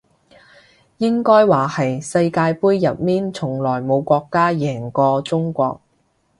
應該話係世界盃入面從來冇國家贏過中國